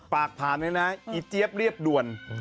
ฝากถามนะอีเจี๊ยบเรียบด่วน